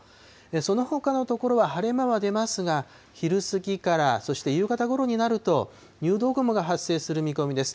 そのほかの所は晴れ間が出ますが、昼過ぎから、そして夕方ごろになると、入道雲が発生する見込みです。